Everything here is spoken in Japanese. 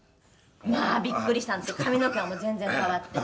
「まあびっくりしたんですけど髪の毛がもう全然変わって。